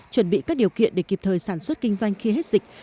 chuẩn bị các điều kiện để kịp thời sản xuất kinh doanh khi hết dịch